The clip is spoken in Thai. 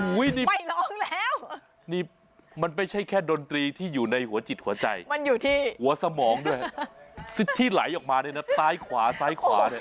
อุ้ยนี่มันไม่ใช่แค่ดนตรีที่อยู่ในหัวจิตหัวใจหัวสมองด้วยที่ไหลออกมาเลยนะซ้ายขวาซ้ายขวา